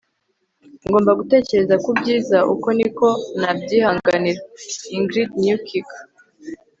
ngomba gutekereza ku byiza; uko niko nabyihanganira. - ingrid newkirk